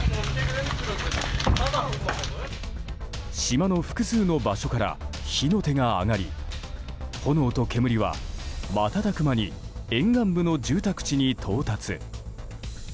島の複数の場所から火の手が上がり炎と煙は瞬く間に沿岸部の住宅地に到達。